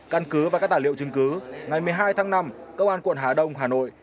căn cứ và các tài liệu chứng cứ ngày một mươi hai tháng năm công an quận hà đông hà nội